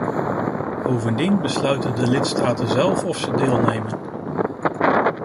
Bovendien besluiten de lidstaten zelf of ze deelnemen.